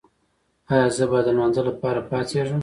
ایا زه باید د لمانځه لپاره پاڅیږم؟